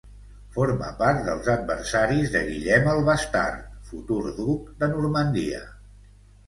Forma part dels adversaris de Guillem el Bastard, futur duc de Normandia.